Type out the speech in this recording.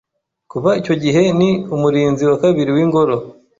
Kuva icyo gihe ni umurinzi wa kabiri w’Ingoro